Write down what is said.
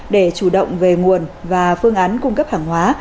để chủ động về nguồn và phương án cung cấp hàng hóa